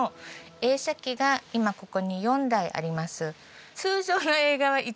映写機が今ここに４台あります。